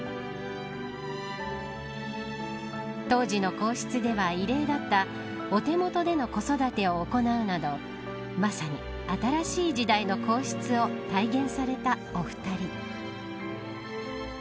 当時の皇室では異例だったお手元での子育てを行うなどまさに新しい時代の皇室を体現された、お二人。